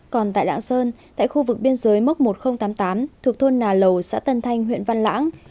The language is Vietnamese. còn tại lạng sơn tại khu vực biên giới mốc một nghìn tám mươi tám thuộc thôn nà lầu xã tân thanh huyện văn lãng